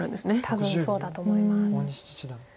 多分そうだと思います。